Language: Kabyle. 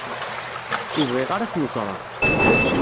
Ur bɣiɣ ara ad ten-ẓreɣ.